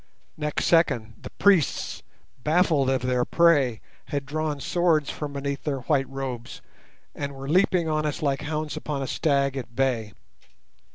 Next second, the priests, baffled of their prey, had drawn swords from beneath their white robes and were leaping on us like hounds upon a stag at bay.